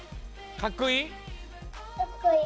かっこいい？